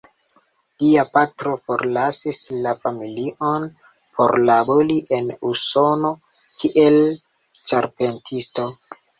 Lia patro forlasis la familion por labori en Usono kiel ĉarpentisto.